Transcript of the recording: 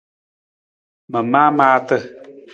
Ma maa maata.